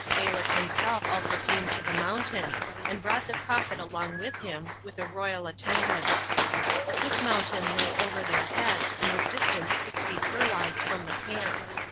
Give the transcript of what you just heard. Balak himself also came to the mountain, and brought the prophet along with him, with a royal attendance. This mountain lay over their heads, and was distant sixty furlongs from the camp.